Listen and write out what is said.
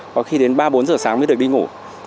có khi đến ba bốn giờ sáng mới được đi ngủ